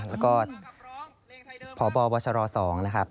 แล้วก็พบวชร๒นะครับ